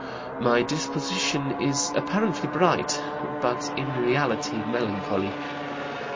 "My disposition is apparently bright, but in reality melancholy.